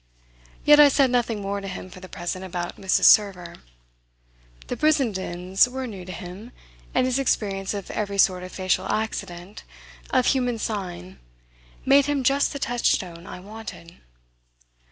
Yet I said nothing more to him for the present about Mrs. Server. The Brissendens were new to him, and his experience of every sort of facial accident, of human sign, made him just the touchstone I wanted.